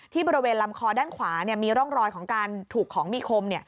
บริเวณลำคอด้านขวามีร่องรอยของการถูกของมีคม